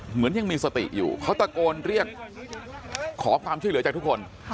เหมือนยังมีสติอยู่เขาตะโกนเรียกขอความช่วยเหลือจากทุกคน